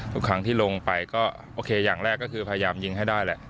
ทุกครั้งที่ลงไปก็โอเคอย่างแรกก็คือพยายามยิงให้ได้แหละ